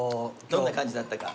どんな感じだったか。